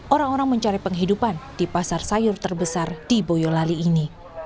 orang orang mencari penghidupan di pasar sayur terbesar di boyolali ini